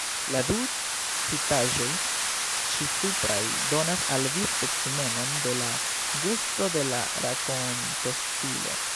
La du citaĵoj ĉisupraj donas al vi specimenon de la gusto de la rakontostilo.